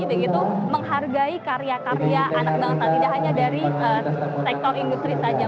begitu menghargai karya karya anak bangsa tidak hanya dari sektor industri saja